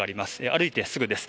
歩いてすぐです。